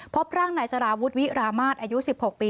พบร่างนายสารวุฒิวิรามาศอายุ๑๖ปี